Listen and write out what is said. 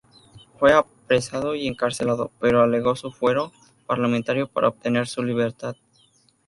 Fue apresado y encarcelado, pero alegó su fuero parlamentario para obtener su libertad.